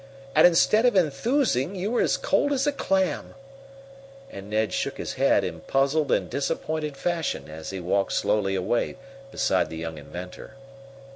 And instead of enthusing you're as cold as a clam;" and Ned shook his head in puzzled and disappointed fashion as he walked slowly along beside the young inventor.